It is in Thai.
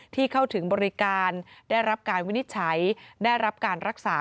เข้าถึงบริการได้รับการวินิจฉัยได้รับการรักษา